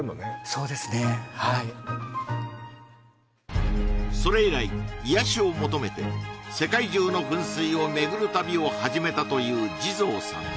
そうですねはいそれ以来癒やしを求めて世界中の噴水を巡る旅を始めたという地蔵さん